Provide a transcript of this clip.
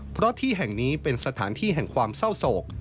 เพราะที่แห่งนี้เป็นสถานที่แห่งความเศร้าโศก